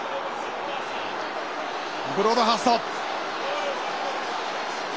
ブロードハースト。